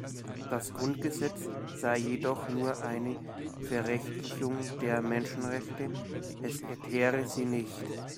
Das Grundgesetz sei jedoch nur eine Verrechtlichung der Menschenrechte, es erkläre sie nicht.